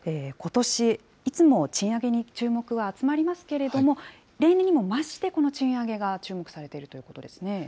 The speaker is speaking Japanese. ことし、いつも賃上げに注目は集まりますけれども、例年にも増して、この賃上げが注目されているということですね。